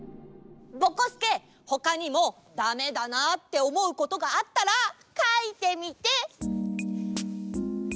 ぼこすけほかにもだめだなっておもうことがあったらかいてみて！